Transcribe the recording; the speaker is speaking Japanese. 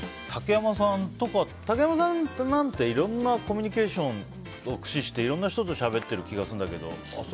竹山さんなんていろんなコミュニケーションを駆使して、いろんな人としゃべってる気がするんだけど。